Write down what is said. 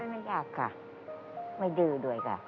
ไม่ยากค่ะไม่ดื้อด้วยค่ะ